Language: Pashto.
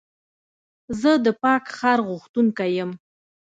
زه د پاک ښار غوښتونکی یم.